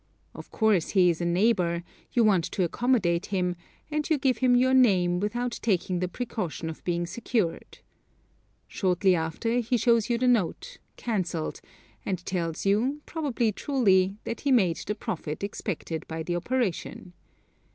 Of course, he is a neighbor; you want to accommodate him, and you give him your name without taking the precaution of being secured. Shortly after he shows you the note, cancelled, and tells you, probably truly, that he made the profit expected by the operation.